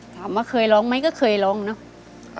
ถามว่าเคยร้องไหมก็เคยร้องเนอะ